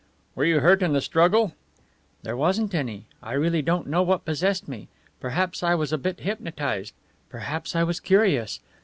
"Were you hurt in the struggle?" "There wasn't any. I really don't know what possessed me. Perhaps I was a bit hypnotized. Perhaps I was curious.